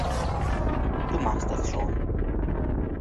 Du machst das schon.